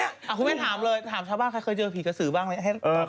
คุณแม่ถามเลยถามชาวบ้านใครเคยเจอผีกระสือบ้างไหม